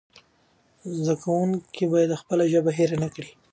زده کوونکي باید خپله ژبه هېره نه کړي.